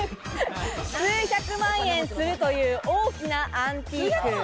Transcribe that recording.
数百万円するという、大きなアンティーク。